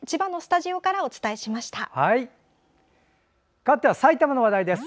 かわっては埼玉の話題です。